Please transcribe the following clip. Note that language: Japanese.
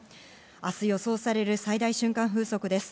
明日予想される最大瞬間風速です。